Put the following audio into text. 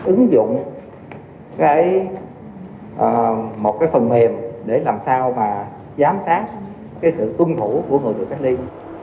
ứng dụng một cái phần mềm để làm sao mà giám sát cái sự tuân thủ của người được cách ly